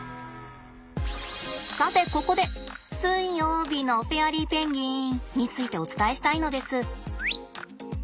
さてここで水曜日のフェアリーペンギンについてお伝えしたいのです。